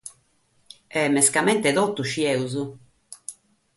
E mescamente, totu ischimus?